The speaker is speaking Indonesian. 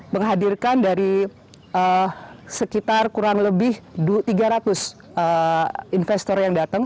menghadirkan dari sekitar kurang lebih tiga ratus investor yang datang